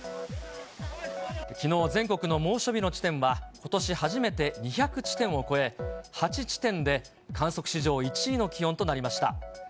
きのう、全国の猛暑日の地点は、ことし初めて２００地点を超え、８地点で観測史上１位の気温となりました。